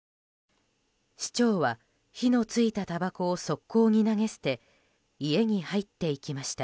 市長は火のついたたばこを側溝に投げ捨て家に入っていきました。